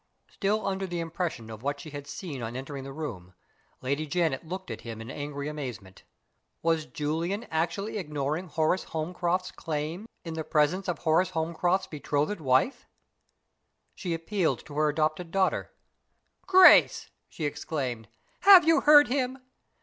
Still under the impression of what she had seen on entering the room, Lady Janet looked at him in angry amazement. Was Julian actually ignoring Horace Holmcroft's claims, in the presence of Horace Holmcroft's betrothed wife? She appealed to her adopted daughter. "Grace!" she exclaimed, "have you heard him?